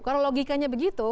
kalau logikanya begitu